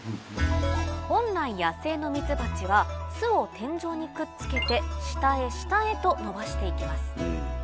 本来野生のミツバチは巣を天井にくっつけて下へ下へと伸ばしていきます